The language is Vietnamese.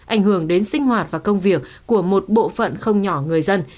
ảnh hưởng đến sinh hoạt và công việc của một bộ phận không nhỏ người dân